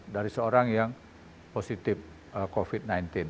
dari seorang yang positif covid sembilan belas